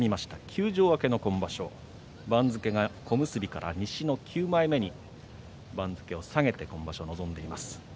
休場明けの今場所番付は小結から西の９枚目に下げて今場所臨んでいます。